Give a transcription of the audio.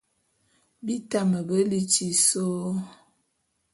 Bi tame be liti sô.